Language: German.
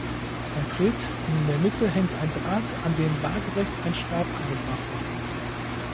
Konkret: In der Mitte hängt ein Draht, an dem waagerecht ein Stab angebracht ist.